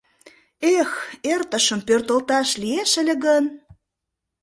Эх, эртышым пӧртылташ лиеш ыле гын...